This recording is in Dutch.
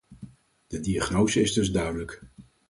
De diagnose is dus duidelijk.